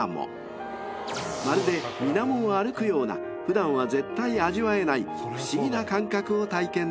［まるで水面を歩くような普段は絶対味わえない不思議な感覚を体験できます］